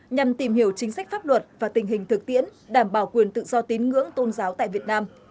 nhằm tìm hiểu chính sách pháp luật và tình hình thực tiễn đảm bảo quyền tự do tín ngưỡng tôn giáo tại việt nam